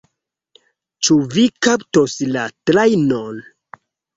Ĉu vi kaptos la trajnon?